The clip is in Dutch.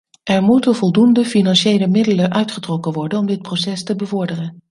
Er moeten voldoende financiële middelen uitgetrokken worden om dit proces te bevorderen.